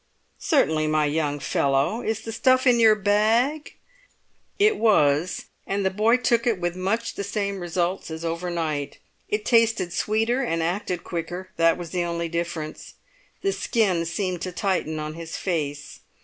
"Certainly, my young fellow! Is the stuff in your bag?" It was, and the boy took it with much the same results as overnight. It tasted sweeter and acted quicker; that was the only difference. The skin seemed to tighten on his face.